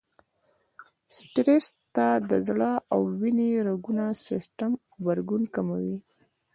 سټرس ته د زړه او وينې رګونو سيستم غبرګون کموي.